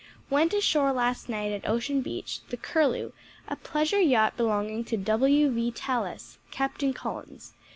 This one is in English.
"Went ashore last night at Ocean Beach, the Curlew, a pleasure yacht belonging to W. V. Tallis; Captain Collins.